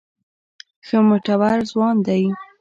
ښه مټور ځوان دی.